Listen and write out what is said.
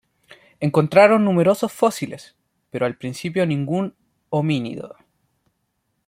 Encontraron numerosos fósiles, pero al principio ningún homínido.